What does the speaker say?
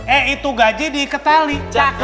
eh itu gaji diketali